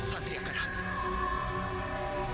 santri akan ambil